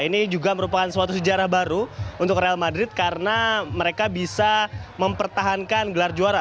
ini juga merupakan suatu sejarah baru untuk real madrid karena mereka bisa mempertahankan gelar juara